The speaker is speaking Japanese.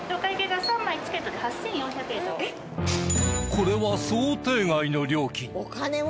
これは想定外の料金。